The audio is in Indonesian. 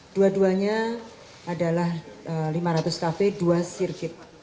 dua duanya adalah lima ratus kafe dua sirkit